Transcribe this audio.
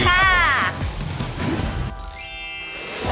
ไปค่ะ